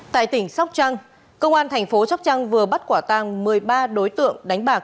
tại tỉnh sóc trăng công an thành phố sóc trăng vừa bắt quả tàng một mươi ba đối tượng đánh bạc